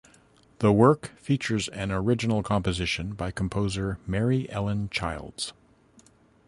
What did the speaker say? The work features an original composition by composer Mary Ellen Childs.